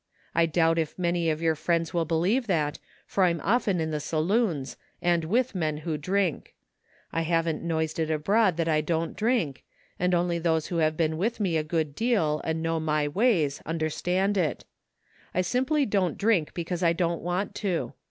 I doubt if many of your friends will be lieve that, for I'm often in the saloons, and with men who drink. I haven't noised it abroad that I don't drink, and only those who have been with me a good 86 THE FINDING OF JASPER HOLT deal and know my ways, understand it. I simply don't driiik because I don't want to.